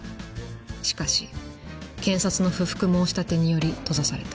しかし検察の不服申し立てにより閉ざされた。